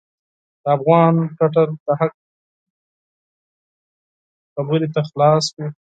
د افغان ټټر د حق خبرې ته خلاص وي.